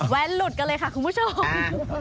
หลุดกันเลยค่ะคุณผู้ชม